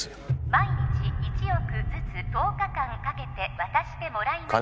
毎日１億ずつ１０日間かけて渡してもらいます